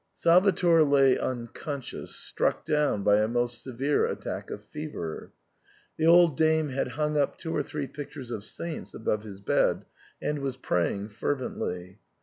Salvator lay unconscious, struck down by a most severe attack of fever. The old dame had hung up two or three pictures of saints above his bed, and was praying fervently.